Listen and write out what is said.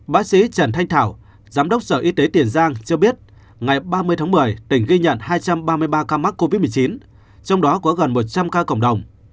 bác sĩ trần thanh thảo giám đốc sở y tế tiền giang cho biết ngày ba mươi tháng một mươi tỉnh ghi nhận hai trăm ba mươi ba ca mắc covid một mươi chín trong đó có gần một trăm linh ca cộng đồng